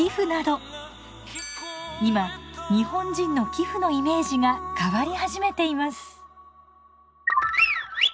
今日本人の寄付のイメージが変わり始めています。